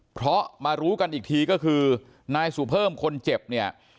เพราะมารู้กันอีกทีก็คือนายสุเพิ่มคนเจ็บเนี่ย